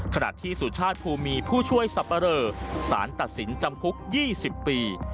ขณะที่สุชาติภูมีผู้ช่วยสับปะเรอสารตัดสินจำคุก๒๐ปี